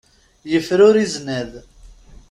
Yefruri zznad.